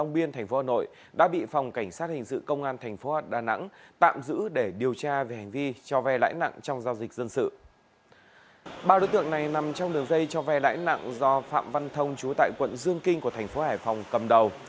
ba đối tượng này nằm trong đường dây cho vay lãi nặng do phạm văn thông chú tại quận dương kinh của thành phố hải phòng cầm đầu